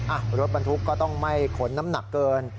รถบรรทุกก็ต้องไม่ขนน้ำหนักเกิน